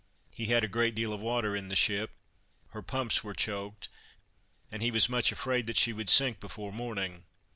He had a great deal of water in the ship; her pumps were choked, and he was much afraid that she would sink before morning."